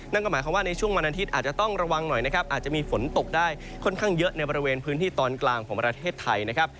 นั่นก็หมายความว่าในช่วงวันอาทิตย์อาจจะต้องระวังหน่อยนะครับอาจจะมีฝนตกได้ค่อนข้างเยอะในบริเวณพื้นที่ตอนกลางของประเทศไทยนะครับ